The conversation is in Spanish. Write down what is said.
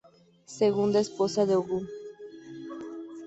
Segunda esposa de Ogú.